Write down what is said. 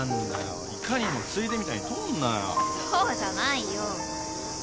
そうじゃないよ。